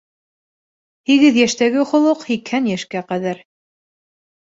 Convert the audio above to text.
Һигеҙ йәштәге холоҡ һикһән йәшкә ҡәҙәр.